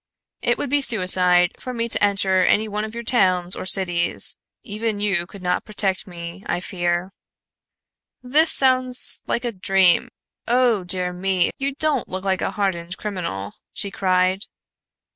It would be suicide for me to enter any one of your towns or cities. Even you could not protect me, I fear." "This sounds like a dream. Oh, dear me, you don't look like a hardened criminal," she cried.